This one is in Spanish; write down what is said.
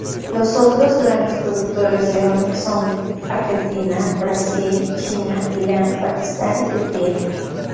Los otros grandes productores de ónix son: Argentina, Brasil, China, Irán, Pakistán y Turquía.